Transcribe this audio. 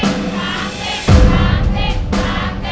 สามสิบ